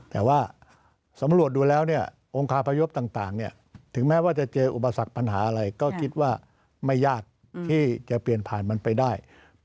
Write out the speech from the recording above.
แต่ว่าสำรวจดูแล้วเนี่ยองค์ฮาพยพต่างถึงแม้ว่าจะเจออุปสรรคปัญหาอะไร